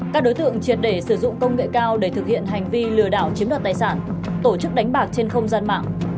các đối tượng triệt để sử dụng công nghệ cao để thực hiện hành vi lừa đảo chiếm đoạt tài sản tổ chức đánh bạc trên không gian mạng